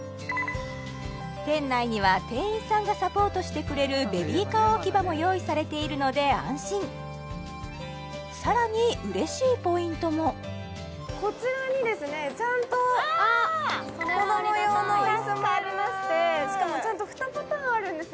店内には定員さんがサポートしてくれるベビーカー置き場も用意されているので安心さらにうれしいポイントもこちらにですねちゃんと子ども用のイスもありましてしかもちゃんと２パターンあるんですよ